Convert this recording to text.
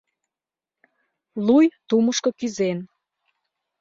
Луй тумышко кӱзен.